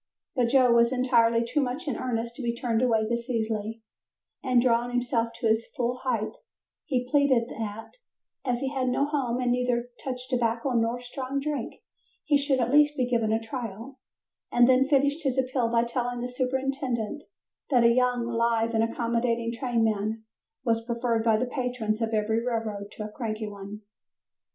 But Joe was entirely too much in earnest to be turned away this easily, and drawing himself to his full height, he pleaded that, as he had no home and neither touched tobacco nor strong drink, he should at least be given a trial, and then finished his appeal by telling the superintendent that a young, live and accommodating trainman was preferred by the patrons of every railroad to a cranky one.